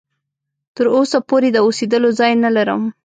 تر اوسه پوري د اوسېدلو ځای نه لرم.